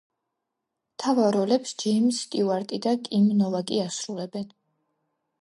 მთავარ როლებს ჯეიმზ სტიუარტი და კიმ ნოვაკი ასრულებენ.